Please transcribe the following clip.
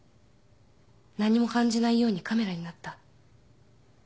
何にも感じないようにカメラになった